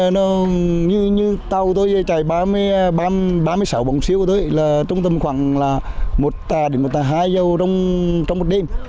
tại một đêm như tàu tôi chạy ba mươi sáu bóng siêu của tôi trong tầm khoảng một tà đến một tà hai dầu trong một đêm